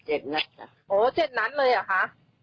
เจ็ดนัดค่ะโอ้เจ็ดนัดเลยเหรอคะ